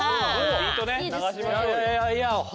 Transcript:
ビートね流しましょうよ。